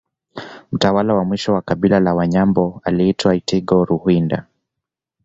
Mtawala wa mwisho wa kabila la Wanyambo aliitwa Itogo Ruhinda